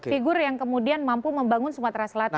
figur yang kemudian mampu membangun sumatera selatan